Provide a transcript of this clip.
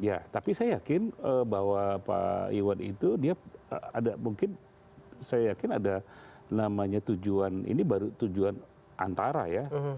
ya tapi saya yakin bahwa pak iwan itu dia ada mungkin saya yakin ada namanya tujuan ini baru tujuan antara ya